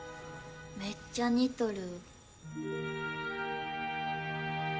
めっちゃ似とる。